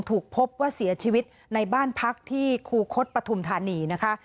ถูกพบว่าเสียชีวิตในบ้านพักที่คูคศปฐุมธานีนะคะ